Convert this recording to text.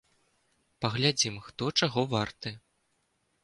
Паглядзім, хто чаго варты!